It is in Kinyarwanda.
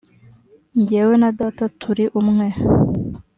jyewe na data turi umwe .